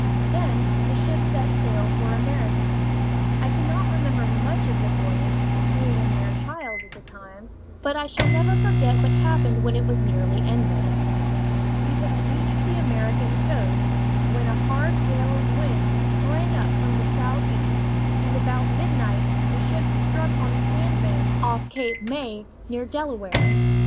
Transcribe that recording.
Then the ship set sail for America. I cannot remember much of the voyage, being a mere child at the time, but I shall never forget what happened when it was nearly ended. We had reached the American coast, when a hard gale of wind sprang up from the southeast, and about midnight the ship struck on a sandbank off Cape May, near Delaware.